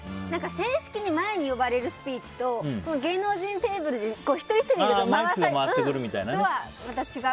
正式に前に呼ばれるスピーチと芸能人テーブルで一人ひとり回ってくるのとはまた違う。